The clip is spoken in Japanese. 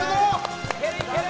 いけるいける！